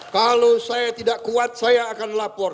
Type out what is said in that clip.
kalau saya tidak kuat saya akan lapor